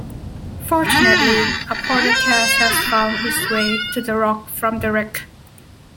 Fortunately, a porter cask had found its way to the rock from the wreck.